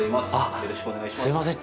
よろしくお願いします。